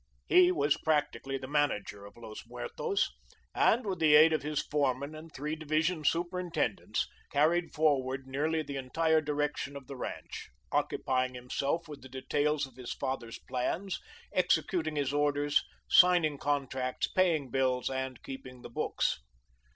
He was practically the manager of Los Muertos, and, with the aid of his foreman and three division superintendents, carried forward nearly the entire direction of the ranch, occupying himself with the details of his father's plans, executing his orders, signing contracts, paying bills, and keeping the books.